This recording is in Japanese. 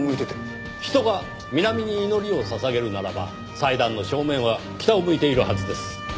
人が南に祈りを捧げるならば祭壇の正面は北を向いているはずです。